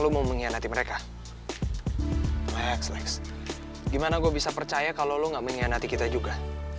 mendingan kita samperin mereka aja